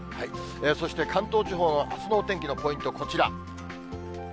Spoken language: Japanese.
そして関東地方のあすのお天気のポイント、こちら。